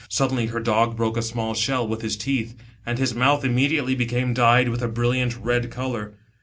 Suddenly her dog broke a small shell with his teeth, and his mouth immediately became dyed with ^ brilliant red colour.